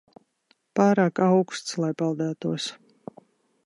Pārāk auksts, lai peldētos.